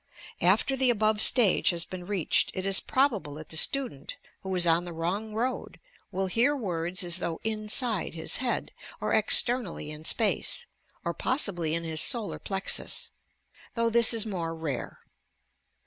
After the above stage has been reached, it is probable that the student, who is on the wrong road, will hear words as though inside his head, or externally in space, or possibly in his solar plexus, — though this is more rare.